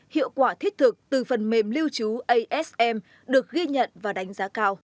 hiệu quả thiết thực từ phần mềm lưu trú asm được ghi nhận và đánh giá cao